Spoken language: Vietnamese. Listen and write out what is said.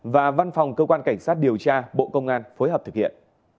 và văn phòng cơ quan cảnh sát điều tra bộ công an phối hợp thực hiện